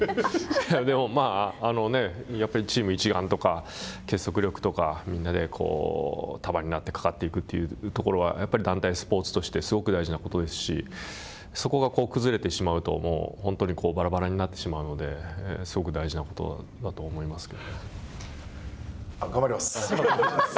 でもまあ、やっぱりチーム一丸とか結束力とか、みんなで、束になってかかっていくというところは、やっぱり団体スポーツとしてすごく大事なことですし、そこが崩れてしまうと、本当にばらばらになってしまうので、すごく大事なことだと思いますけどね。